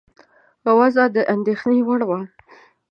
وضع د اندېښنې وړ وه.